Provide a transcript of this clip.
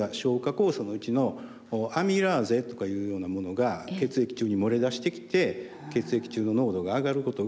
酵素のうちのアミラーゼとかいうようなものが血液中に漏れ出してきて血液中の濃度が上がることがあります。